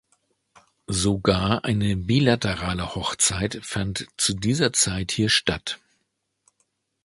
Sogar eine bilaterale Hochzeit fand zu dieser Zeit hier statt.